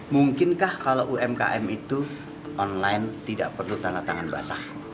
mungkinkah kalau umkm itu online tidak perlu tanda tangan basah